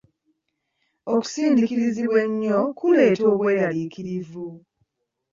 Okusindiikirizibwa ennyo kuleeta obweraliikirivu.